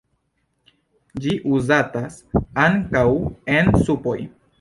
Ĝi uzatas ankaŭ en supoj.